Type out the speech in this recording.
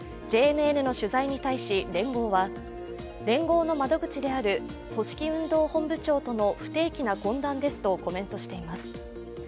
ＪＮＮの取材に対し連合は、連合の窓口である組織本部長との不定期な懇談ですとコメントしています。